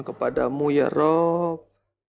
kepadamu ya rok